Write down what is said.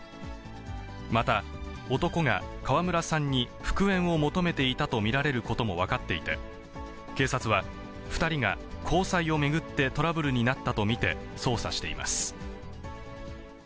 また男が川村さんに復縁を求めていたと見られることも分かっていて、警察は、２人が交際を巡ってトラブルになったと見て捜査しています。